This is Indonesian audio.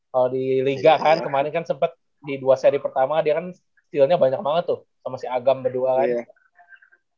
kalau di liga kan kemarin kan sempat di dua seri pertama dia kan stillnya banyak banget tuh sama si agam berdua kan